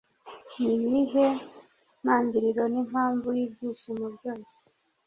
niyihe ntangiriro nimpamvu yibyishimo byose